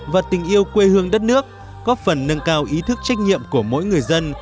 và tình yêu quê hương đất nước góp phần nâng cao ý thức trách nhiệm của mỗi người dân